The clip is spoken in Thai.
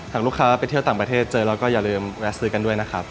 หากลูกค้าไปเที่ยวต่างประเทศเจอแล้วก็อย่าลืมแวะซื้อกันด้วยนะครับ